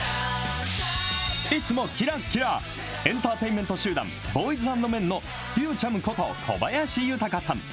いつもきらっきら、エンターテイメント集団、ボーイズアンドメンのゆーちゃむこと、小林豊さん。